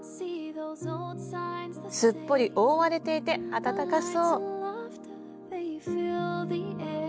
すっぽり覆われていて暖かそう。